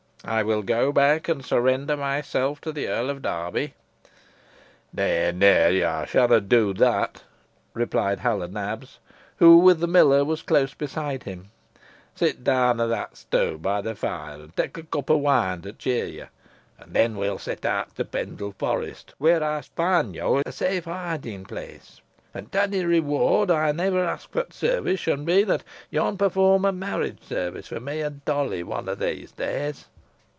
I will go back and surrender myself to the Earl of Derby." "Nah, nah! yo shanna do that," replied Hal o' Nabs, who, with the miller, was close beside him. "Sit down o' that stoo' be t' fire, and take a cup o' wine t' cheer yo, and then we'n set out to Pendle Forest, where ey'st find yo a safe hiding place. An t' ony reward ey'n ever ask for t' sarvice shan be, that yo'n perform a marriage sarvice fo' me and Dolly one of these days."